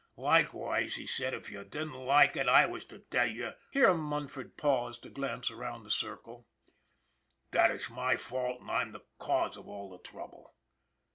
Likewise, he said if you didn't like it I was to tell you " here Munford paused to glance around the circle " that it's my fault and I'm the cause of all the trouble."